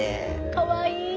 かわいい。